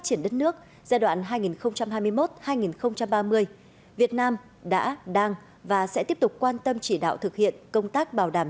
triển đất nước giai đoạn hai nghìn hai mươi một hai nghìn ba mươi việt nam đã đang và sẽ tiếp tục quan tâm chỉ đạo thực hiện công tác bảo đảm